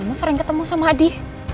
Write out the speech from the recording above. aku sering ketemu sama adi